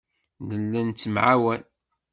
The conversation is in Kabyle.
Nella nettemɛawan.